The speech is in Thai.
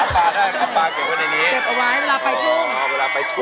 เวลาหาปลาได้ปลาเก็บไว้ในนี้เก็บเอาไว้เวลาไปทุ่ง